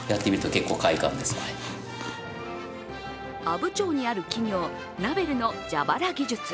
阿武町にある企業・ナベルの蛇腹技術。